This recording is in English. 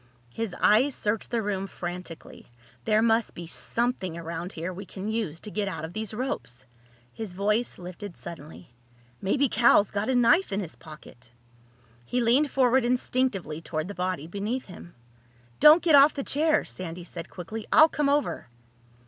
His eyes searched the room frantically. "There must be something around here we can use to get out of these ropes." His voice lifted suddenly. "Maybe Cal's got a knife in his pocket!" He leaned forward instinctively toward the body beneath him. "Don't get off the chair!" Sandy said quickly. "I'll come over."